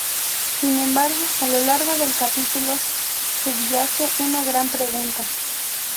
Sin embargo, a lo largo del capítulo subyace una gran pregunta.